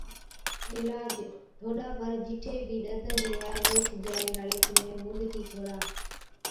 عِلاج، ٺوڏا پر جِٺي بِي ڏَدر هُوَِ ويهچ جائِي هاڙِي چُونڻي مُونڏتِي ڇوڙا